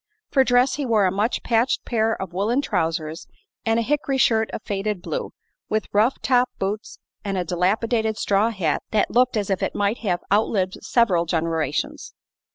For dress he wore a much patched pair of woolen trousers and a "hickory" shirt of faded blue, with rough top boots and a dilapidated straw hat that looked as if it might have outlived several generations.